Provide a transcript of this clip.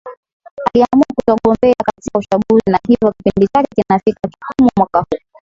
aliamua kutogombea katika uchaguzi na hivyo kipindi chake kinafika kikomo mwaka huu